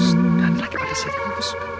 udah ada lagi pada seri kurus berhenti